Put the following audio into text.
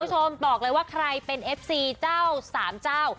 คุณผู้ชมบอกเลยว่าใครเป็นเอฟซีเจ้าสามเจ้า